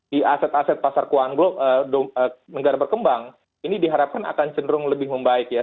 di aset aset pasar keuangan global negara berkembang ini diharapkan akan cenderung lebih membaik ya